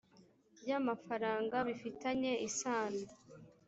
ry amafaranga bifitanye isano